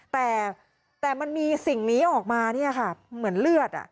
แต่มันมีสิ่งนี้ออกมาเนี่ยค่ะเหมือนเลือด